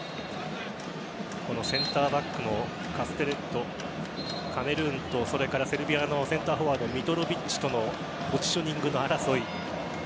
センターバックのカステレットカメルーンとセルビアのセンターフォワードミトロヴィッチとのポジショニングの争い。